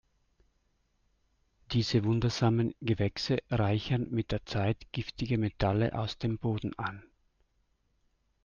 Diese wundersamen Gewächse reichern mit der Zeit giftige Metalle aus dem Boden an.